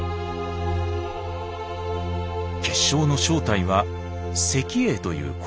結晶の正体は石英という鉱物でした。